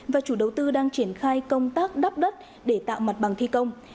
và chủ đầu tư đang triển khai công tác đắp đất để tạo mặt bằng thi công